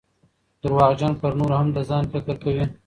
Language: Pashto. درواغجن پرنورو هم دځان فکر کوي